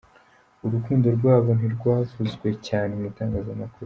Urukundo rwabo ntirwavuzwe cyane mu itangazamakuru.